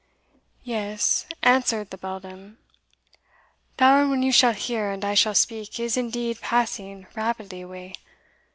"Yes," answered the beldam, "the hour when you shall hear, and I shall speak, is indeed passing rapidly away.